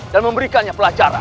dan memberikannya pelajaran